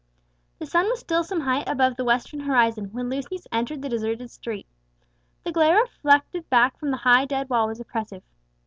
The sun was still some height above the western horizon when Lucius entered the deserted street. The glare reflected back from the high dead wall was oppressive.